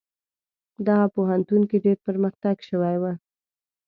دغه پوهنتون کې ډیر پرمختګ شوی و.